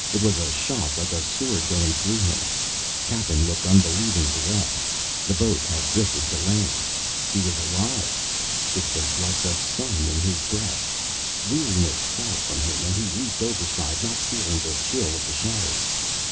It was a shock like a sword going through him. Cappen looked unbelievingly up. The boat had drifted to land he was alive! It was like the sun in his breast. Weariness fell from him, and he leaped overside, not feeling the chill of the shallows.